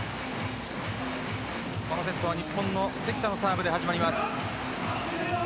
このセットは日本の関田のサーブで始まります。